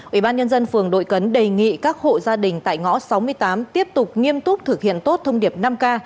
ủy ban nhân dân phường đội cấn đề nghị các hộ gia đình tại ngõ sáu mươi tám tiếp tục nghiêm túc thực hiện tốt thông điệp năm k